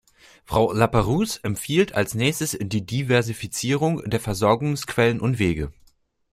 Frau Laperrouze empfiehlt als Nächstes die Diversifizierung der Versorgungsquellen und -wege.